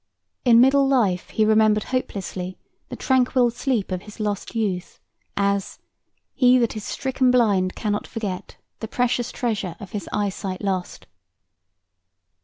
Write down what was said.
In middle life he remembered hopelessly the tranquil sleep of his lost youth, as "He that is stricken blind cannot forget The precious treasure of his eyesight lost."